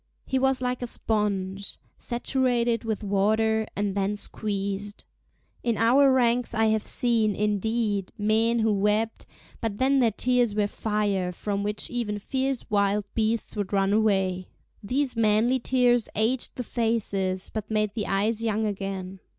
He was like a sponge saturated with water, and then squeezed. In our ranks I have seen, indeed, men who wept, but then their tears were fire, from which even fierce wild beasts would run away. These manly tears aged the faces, but made the eyes young again.